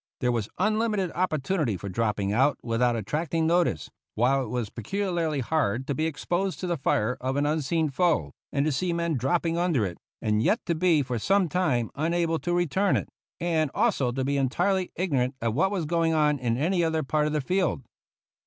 There was unlimited opportunity for dropping out without attracting notice, while it was peculiarly hard to be exposed to the fire of an unseen foe, and to see men dropping under it, and yet to be, for some time, unable to return it, and also to be entirely ignorant of what was going on in any other part of the field.